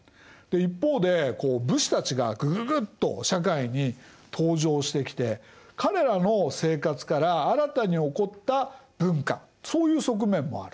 一方でこう武士たちがぐぐぐっと社会に登場してきて彼らの生活から新たに興った文化そういう側面もある。